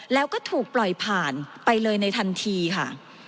แล้วก็ถูกปล่อยผ่านไปเลยในทันทีค่ะ